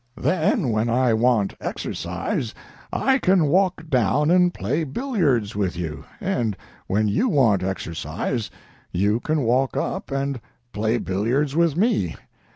Then when I want exercise I can walk down and play billiards with you, and when you want exercise you can walk up and play billiards with me.